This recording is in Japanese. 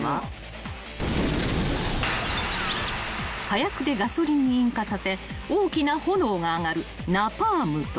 ［火薬でガソリンに引火させ大きな炎が上がるナパームと］